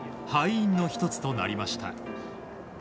敗因の１つとなりました。